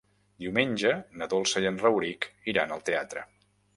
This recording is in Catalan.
Diumenge na Dolça i en Rauric iran al teatre.